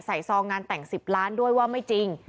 ซองงานแต่ง๑๐ล้านด้วยว่าไม่จริง